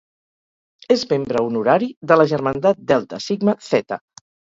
És membre honorari de la germandat Delta Sigma Theta.